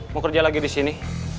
mau kerja lagi disini